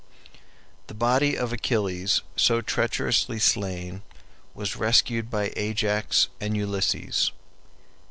] The body of Achilles so treacherously slain was rescued by Ajax and Ulysses.